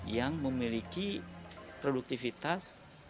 yang memiliki produktivitas